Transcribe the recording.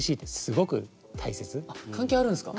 関係あるんすか。